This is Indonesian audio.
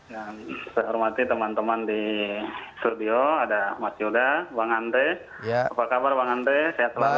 dan saya hormati teman teman di studio ada mas yuda bang andres apa kabar bang andres sehat selalu